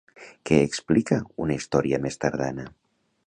Què explica una història més tardana?